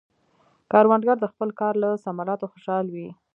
کروندګر د خپل کار له ثمراتو خوشحال وي